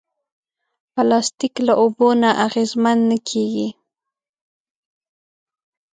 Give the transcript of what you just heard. پلاستيک له اوبو نه اغېزمن نه کېږي.